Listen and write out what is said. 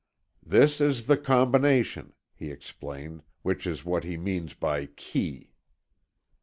"This is the combination," he explained, "which is what he means by key."